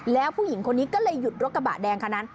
แล้วผู้หญิงคนนี้ก็เลยหยุดรถกระบะแดงคันนั้น